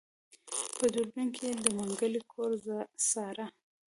په دوربين کې يې د منګلي کور څاره.